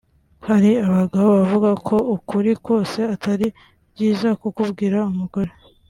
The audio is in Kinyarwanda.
Hari abagabo bavuga ko ukuri kose atari byiza kukubwira umugore